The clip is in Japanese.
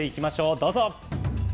どうぞ。